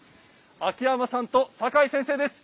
秋山さんと坂井先生です。